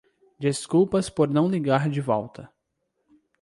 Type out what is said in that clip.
Desculpas por não ligar de volta.